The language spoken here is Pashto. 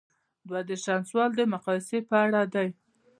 دوه دیرشم سوال د مقایسې په اړه دی.